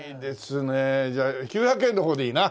じゃあ９００円の方でいいな。